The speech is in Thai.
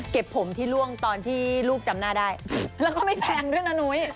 ผมที่ล่วงตอนที่ลูกจำหน้าได้แล้วก็ไม่แพงด้วยนะนุ้ย